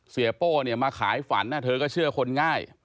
โป้เนี่ยมาขายฝันเธอก็เชื่อคนง่าย